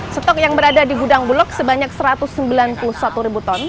stok yang berada di gudang bulog sebanyak satu ratus sembilan puluh satu ribu ton